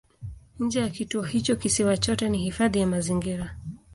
Nje ya kituo hicho kisiwa chote ni hifadhi ya mazingira.